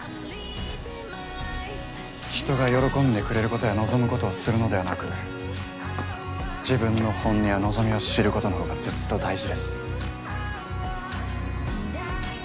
人が喜んでくれることや望むことをするのではなく自分の本音や望みを知ることのほうがずっと大事です。